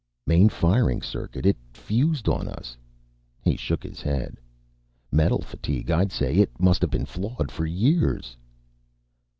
"Main firing circuit. It fused on us." He shook his head. "Metal fatigue, I'd say. It must have been flawed for years."